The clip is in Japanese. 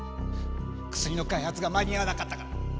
薬の開発が間に合わなかったから。